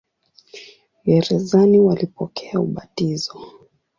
Gerezani walipokea ubatizo.